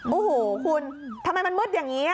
โอ้โหคุณทำไมมันมืดอย่างนี้